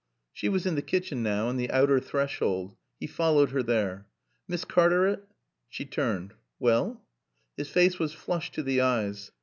She was in the kitchen now, on the outer threshold. He followed her there. "Miss Cartaret " She turned. "Well?" His face was flushed to the eyes.